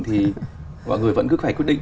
thì mọi người vẫn cứ phải quyết định